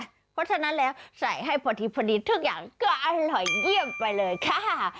เพราะฉะนั้นแล้วใส่ให้พอดีทุกอย่างก็อร่อยเยี่ยมไปเลยค่ะ